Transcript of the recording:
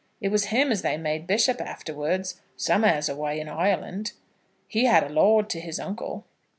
It was him as they made bishop afterwards, some'eres away in Ireland. He had a lord to his uncle.